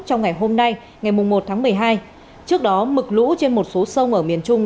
trong ngày hôm nay ngày một tháng một mươi hai trước đó mực lũ trên một số sông ở miền trung